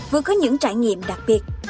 vừa có những trải nghiệm đặc biệt